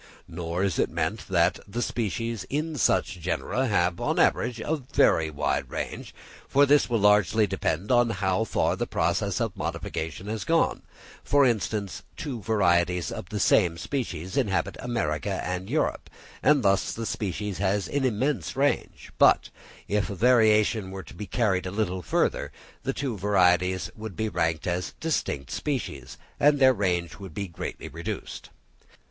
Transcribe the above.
Nor is it meant that the species in such genera have, on an average, a very wide range; for this will largely depend on how far the process of modification has gone; for instance, two varieties of the same species inhabit America and Europe, and thus the species has an immense range; but, if variation were to be carried a little further, the two varieties would be ranked as distinct species, and their range would be greatly reduced.